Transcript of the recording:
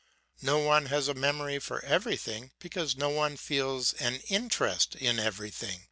No one has a memory for everything, because no one feels an interest in everything.